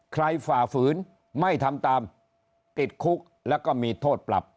ฝ่าฝืนไม่ทำตามติดคุกแล้วก็มีโทษปรับ